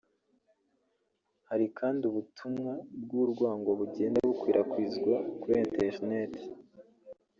Hari kandi ubutumwa bw’urwango bugenda bukwirakwizwa kuri internet